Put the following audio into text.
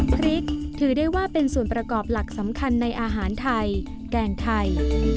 พริกถือได้ว่าเป็นส่วนประกอบหลักสำคัญในอาหารไทยแกงไทย